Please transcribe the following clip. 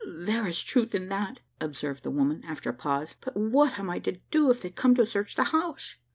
"There is truth in that," observed the woman, after a pause; "but what am I to do, if they come to search the house?"